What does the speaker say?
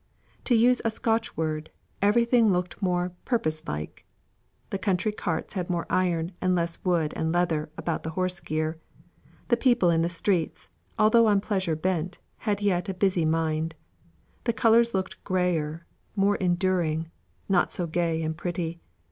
To use a Scotch word, everything looked more "purpose like." The country carts had more iron, and less wood and leather about the horse gear; the people in the streets, although on pleasure bent, had yet a busy mind. The colours looked grayer more enduring, not so gay and pretty.